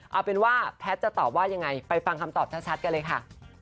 เอาเป็นว่าแพทย์จะตอบว่ายังไงไปฟังคำตอบชัดกันเลยค่ะ